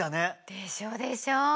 でしょでしょ？